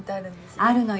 あるのよ。